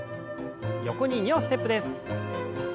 横に２歩ステップです。